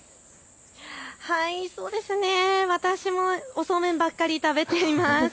そうですね、私もおそうめんばっかり食べています。